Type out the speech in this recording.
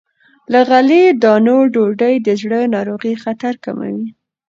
له غلې- دانو ډوډۍ د زړه ناروغۍ خطر کموي.